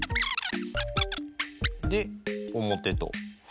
で表と。